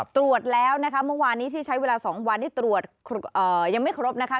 ตรวจแล้วนะคะเมื่อวานนี้ที่ใช้เวลา๒วันที่ตรวจยังไม่ครบนะคะ